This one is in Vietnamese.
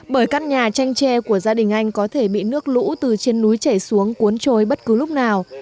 bởi căn nhà tranh tre của gia đình anh có thể bị nước lũ từ trên núi chảy xuống cuốn trôi bất cứ lúc nào